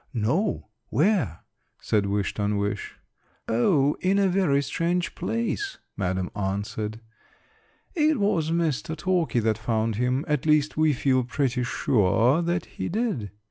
"No, where?" said Wish ton wish. "O, in a very strange place," madam answered. "It was Mr. Talky that found him. At least we feel pretty sure that he did.